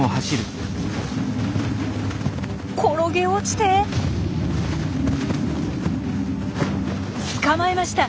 転げ落ちて捕まえました！